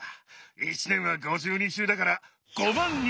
一年は５２週だから５万２，０００ドルくれ。